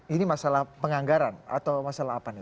ini masalah penganggaran atau masalah apa nih